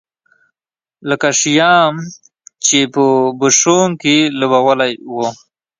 لکه شیام چې په بوشونګ کې لوبولی و.